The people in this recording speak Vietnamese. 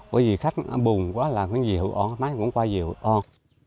bởi vì khách bùn quá là không có gì hữu ổn mấy ngày cũng không có gì hữu ổn